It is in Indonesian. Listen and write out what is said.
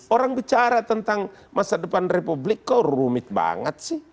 orang bicara tentang masa depan republik kok rumit banget sih